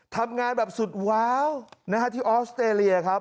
ทำงานแบบสุดว้าวที่ออสเตรเลียครับ